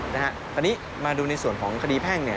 ตอนนี้มาดูในส่วนของคดีแพ่ง